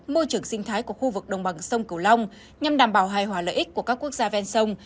môi trường sinh thái của khu vực đồng bằng sông cửu long nhằm đảm bảo hài hòa lợi ích của các quốc gia ven sông